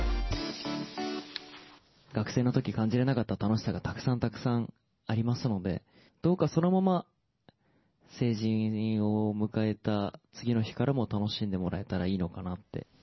学生のとき、感じれなかった楽しさが、たくさんたくさんありますので、どうかそのまま成人を迎えた次の日からも楽しんでもらえたらいい